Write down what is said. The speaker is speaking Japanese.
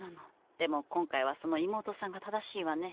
でも今回はその妹さんが正しいわね。